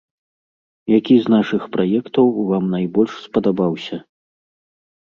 Які з нашых праектаў вам найбольш спадабаўся?